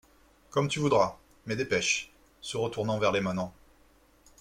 Comme tu voudras ; mais dépêche. — Se retournant vers les manants.